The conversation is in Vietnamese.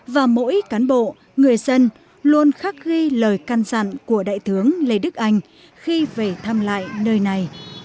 và mỗi cán bộ người dân luôn khắc ghi lời can dặn của đại tướng lê đức anh khi về thăm lại nơi này